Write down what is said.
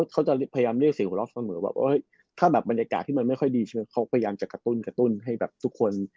เขาจะพยายามเรียกเสียงหัวเวลาถ้าบรรยากาศที่ไม่ดีเขาก็จะกระตุ้น